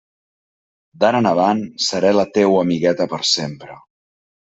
D'ara en avant seré la teua amigueta per sempre.